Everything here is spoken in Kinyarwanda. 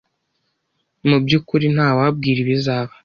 Mu byukuri ntawabwira ibizaba.